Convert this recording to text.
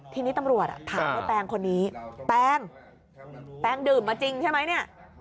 ทีนี้ตำรวจถามว่าแตงคนนี้แตงแปงดื่มมาจริงใช่ไหมเนี่ย